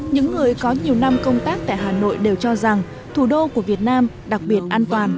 những người có nhiều năm công tác tại hà nội đều cho rằng thủ đô của việt nam đặc biệt an toàn